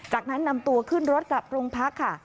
จากนั้นนำตัวขึ้นรถกลับโรงพักค่ะ